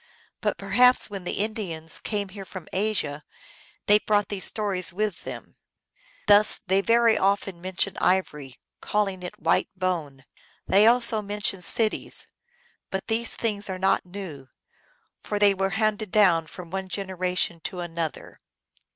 But perhaps when the Indians came here from Asia they brought these stories with, them 4 Thus they very often mention ivory, calling it white bone. They also mention cities. But these things are not new, for they were handed down from one generation to an other."